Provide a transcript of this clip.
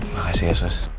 makasih ya sos